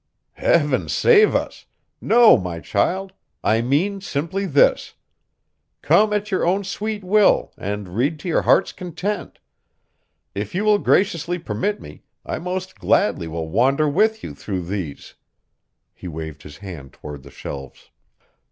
"Heaven save us! No, my child, I mean simply this. Come at your own sweet will and read to your heart's content. If you will graciously permit me, I most gladly will wander with you through these " He waved his hand toward the shelves.